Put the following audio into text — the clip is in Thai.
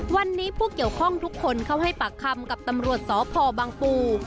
วันนี้ผู้เกี่ยวข้องทุกคนเข้าให้ปากคำกับตำรวจสพบังปู